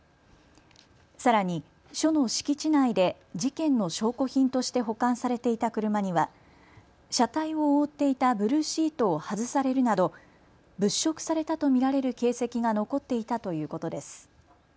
さらに署の敷地内で事件の証拠品として保管されていた車には車体を覆っていたブルーシートを外されるなど物色されたと見られる形跡が残っていたということです。